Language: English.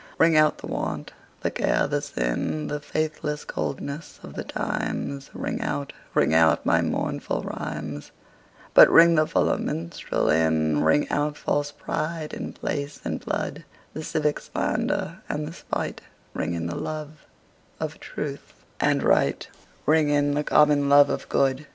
Ring out the want, the care the sin, The faithless coldness of the times; Ring out, ring out my mournful rhymes, But ring the fuller minstrel in. Ring out false pride in place and blood, The civic slander and the spite; Ring in the love of truth and right, Ring in the common love of good.